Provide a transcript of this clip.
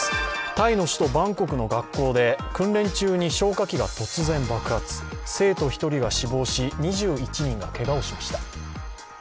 タイの首都バンコクの学校で訓練中に消火器が突然爆発、生徒１人が死亡し２１人がけがをしました。